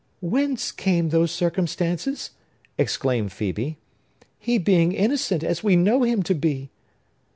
"Whence came those circumstances?" exclaimed Phœbe. "He being innocent, as we know him to be!"